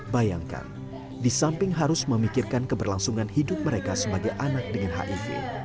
bayangkan di samping harus memikirkan keberlangsungan hidup mereka sebagai anak dengan hiv